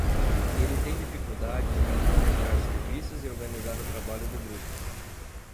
Ele tem dificuldades em planejar serviços e organizar o trabalho do grupo.